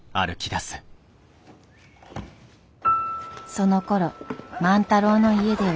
そのころ万太郎の家では。